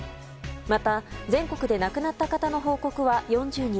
また、全国で亡くなった方の報告は４０人。